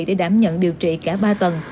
để đảm nhận điều trị cả ba tầng